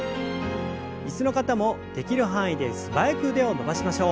椅子の方もできる範囲で素早く腕を伸ばしましょう。